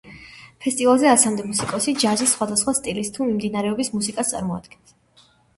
ფესტივალზე ასამდე მუსიკოსი ჯაზის სხვადასვხა სტილისა თუ მიმდინარეობის მუსიკას წარმოადგენს.